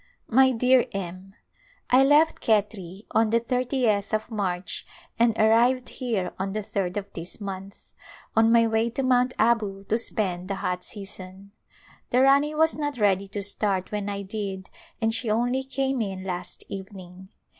My dear M : I left Khetri on the 30th of March and ar rived here on the third of this month, on my way to Mount Abu to spend the hot season. The Rani was not ready to start when I did and she only came in last evening.